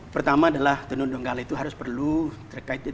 pertama adalah tenun donggala itu harus perlu terkait